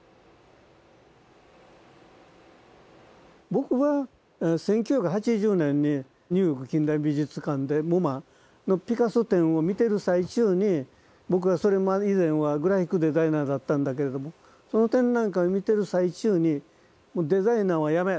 僕は１９８０年にニューヨーク近代美術館でＭＯＭＡのピカソ展を見てる最中に僕はそれ以前はグラフィックデザイナーだったんだけれどもその展覧会を見てる最中にもうデザイナーはやめ。